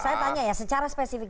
saya tanya ya secara spesifik